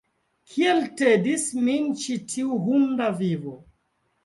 Kiel tedis min ĉi tiu hunda vivo!